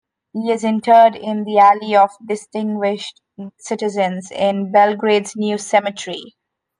He is interred in the Alley of Distinguished Citizens in Belgrade's New Cemetery.